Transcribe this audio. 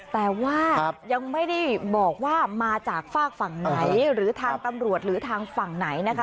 แต่ว่ายังไม่ได้บอกว่ามาจากฝากฝั่งไหนหรือทางตำรวจหรือทางฝั่งไหนนะคะ